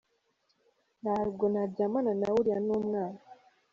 Ntabwo naryamana nawe uriya ni umwana.